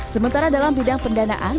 sementara dalam bidang pendanaan